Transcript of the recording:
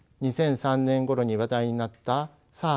２００３年ごろに話題になったＳＡＲＳ